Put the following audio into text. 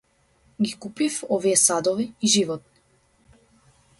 Ги купив овие садови и животни.